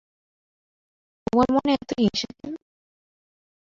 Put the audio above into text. তোমার মনে এত হিংসা কেন?